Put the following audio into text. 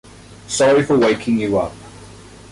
Sorry for waking you up.